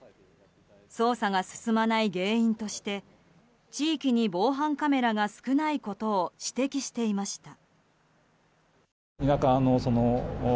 捜査が進まない原因として地域に防犯カメラが少ないことを指摘していました。